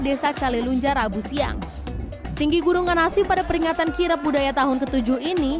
desa kalilunjar rabu siang tinggi gununganasi pada peringatan kirap budaya tahun ke tujuh ini